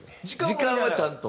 時間はちゃんと？